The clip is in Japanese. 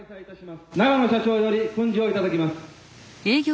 ・永野社長より訓示をいただきます。